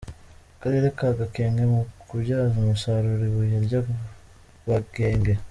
Akarere ka Gakenke mu kubyaza umusaruro ibuye rya Bagenge.